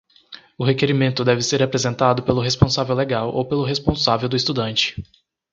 O requerimento deve ser apresentado pelo responsável legal ou pelo responsável do estudante.